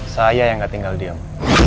saya yang gak tinggal diam